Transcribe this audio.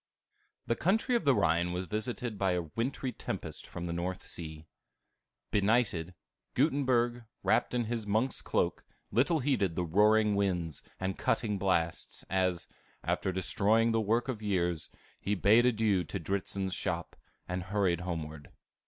The country of the Rhine was visited by a wintry tempest from the North Sea. Benighted, Gutenberg, wrapped in his monk's cloak, little heeded the roaring winds and cutting blasts, as, after destroying the work of years, he bade adieu to Dritzhn's shop, and hurried homeward.